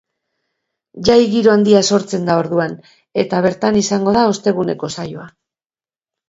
Jai giro handia sortzen da orduan, eta bertan izango da osteguneko saioa.